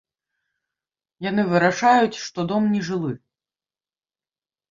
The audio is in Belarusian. Яны вырашаюць, што дом не жылы.